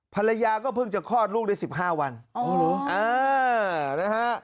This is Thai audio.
ภรรยาก็เพิ่งจะคลอดลูกได้๑๕วันนะฮะ